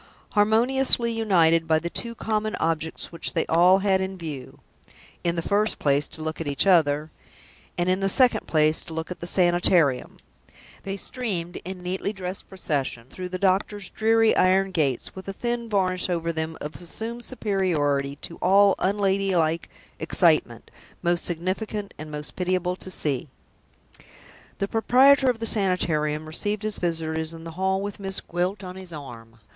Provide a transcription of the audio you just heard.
Harmoniously united by the two common objects which they all had in view in the first place, to look at each other, and, in the second place, to look at the Sanitarium they streamed in neatly dressed procession through the doctor's dreary iron gates, with a thin varnish over them of assumed superiority to all unladylike excitement, most significant and most pitiable to see! The proprietor of the Sanitarium received his visitors in the hall with Miss Gwilt on his arm.